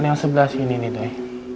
panjangnya sebelah sini tuy